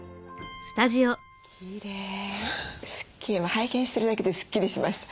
拝見してるだけでスッキリしました。